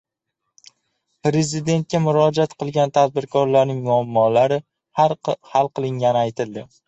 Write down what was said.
Prezidentga murojaat qilgan tadbirkorlarning muammolari hal qilingani aytildi